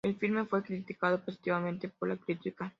El filme fue criticado positivamente por la crítica.